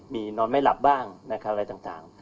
มีนอนไม่หลับบ้างอะไรต่าง